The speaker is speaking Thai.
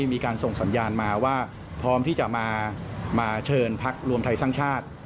มีการส่งสัญญาณมาว่าพร้อมที่จะมาเชิญพักรวมไทยสร้างชาติ